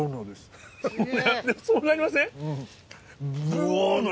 そうなりません？